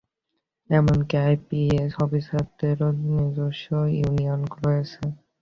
এমনকি আইপিএস অফিসারদেরও নিজস্ব ইউনিয়ন রয়েছে।